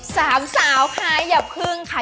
สามสาวค่ะอย่าพึ่งค่ะ